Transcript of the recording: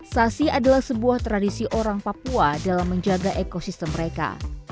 sasi adalah sebuah tradisi orang papua dalam menjaga ekosistem mereka